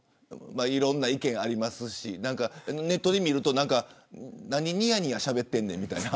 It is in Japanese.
いろんな意見ありますしネットで見ると何にやにやしゃべってんねんと。